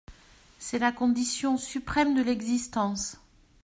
C'est la condition suprême de l'existence.